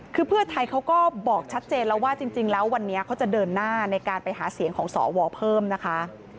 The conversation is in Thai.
คือเพื่อไทยเขาก็บอกชัดเจนแล้วว่าจริงแล้ววันนี้เขาจะเดินหน้าในการไปหาเสียงของสวเพิ่มนะคะ